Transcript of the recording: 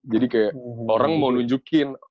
jadi kayak orang mau nunjukin